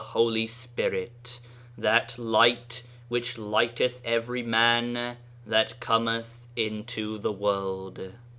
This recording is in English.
13 Holy Spirit, that ' Light which lighteth every man that cometh into the world.'